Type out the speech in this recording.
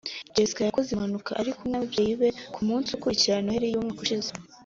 Jessica yakoze impanuka ari kumwe n’ababyeyi be ku munsi ukurikira noheli y’umwaka ushize